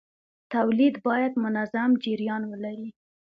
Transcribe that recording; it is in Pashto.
تولید باید منظم جریان ولري.